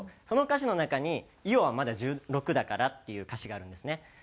その歌詞の中に「伊代はまだ１６だから」っていう歌詞があるんですね。